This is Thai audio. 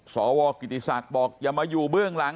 สวกิติศักดิ์บอกอย่ามาอยู่เบื้องหลัง